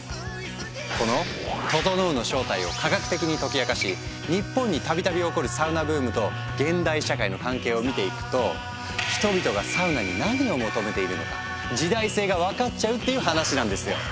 この「ととのう」の正体を科学的に解き明かし日本に度々起こるサウナブームと現代社会の関係を見ていくと人々がサウナに何を求めているのか時代性が分かっちゃうっていう話なんですよ。